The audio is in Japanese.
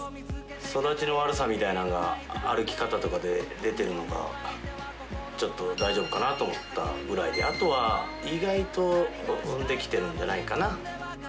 育ちの悪さみたいなんが、歩き方とかで出てるのがちょっと、大丈夫かなと思ったぐらいで、あとは意外と、できてるんじゃないかな。